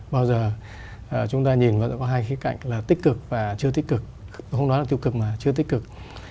bao giờ chúng ta nhìn có hai khía cạnh là tích cực và chưa tích cực không nói là tiêu cực mà chưa tích cực